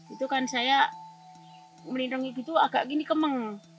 itu kan saya melindungi gitu agak gini kemeng